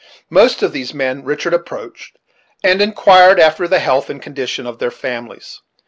Most of these men Richard approached, and inquired after the health and condition of their families.